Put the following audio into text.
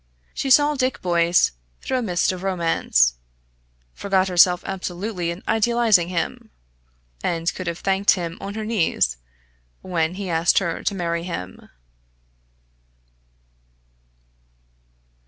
She saw Dick Boyce through a mist of romance; forgot herself absolutely in idealising him, and could have thanked him on her knees when he asked her to marry him.